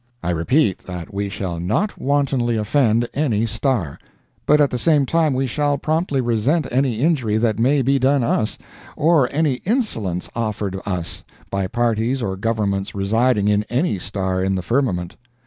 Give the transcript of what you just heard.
I repeat that we shall not wantonly offend any star; but at the same time we shall promptly resent any injury that may be done us, or any insolence offered us, by parties or governments residing in any star in the firmament.